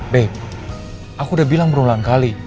bek aku udah bilang berulang kali